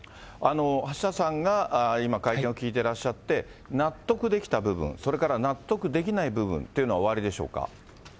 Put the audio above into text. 橋田さんが今、会見を聞いてらっしゃって、納得できた部分、それから納得できない部分というのはおありでしょうか。